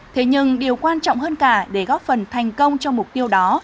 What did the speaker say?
thế nhưng điều quan trọng hơn cả để góp phần thành công cho mục tiêu đó